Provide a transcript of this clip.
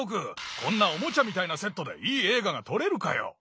こんなおもちゃみたいなセットでいい映画が撮れるかよ！